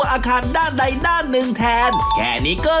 โอ้โฮ